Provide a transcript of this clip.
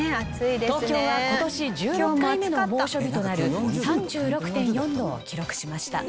東京は今年１６回目の猛暑日となる３６．４度を記録しました。